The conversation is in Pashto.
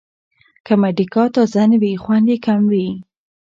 که مډیګا تازه نه وي، خوند یې کم وي.